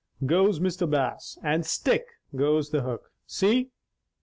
goes Mr. Bass, and 'stick!' goes the hook. See?"